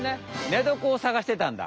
寝床を探してたんだ。